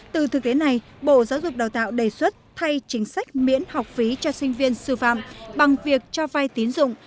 từ thực tế này bộ giáo dục đào tạo đề xuất thay chính sách miễn học phí cho sinh viên sư phạm bằng việc cho vai tín dụng